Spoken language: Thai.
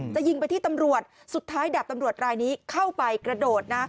จะยิงไปที่ตำรวจสุดท้ายดาบตำรวจรายนี้เข้าไปกระโดดนะ